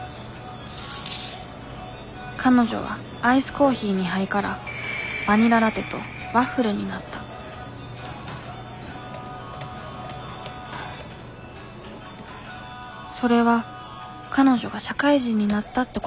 彼女はアイスコーヒー２杯からバニララテとワッフルになったそれは彼女が社会人になったってことなんだ。